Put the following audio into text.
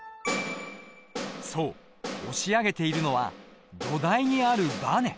そう押し上げているのは土台にあるバネ。